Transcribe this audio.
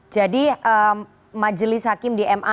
jadi majelis hakim di ma